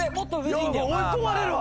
追い込まれるわ！